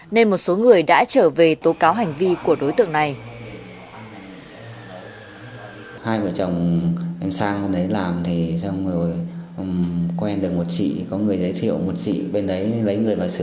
nên một số người đã trở về tố cáo hành vi của đối tượng này